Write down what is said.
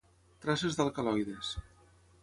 Traces d'alcaloides.